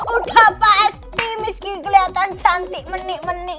udah pasti miss gigi kelihatan cantik menik menik